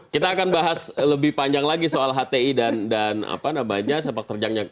kita akan bahas lebih panjang lagi soal hti dan sepak terjangnya